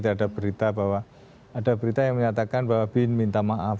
ada berita bahwa ada berita yang menyatakan bahwa bin minta maaf